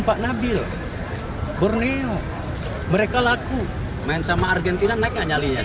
pak nabil borneo mereka laku main sama argentina naik gak nyalinya